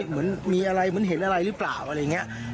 เหมือนมีอะไรเหมือนเห็นอะไรหรือเปล่าอะไรอย่างนี้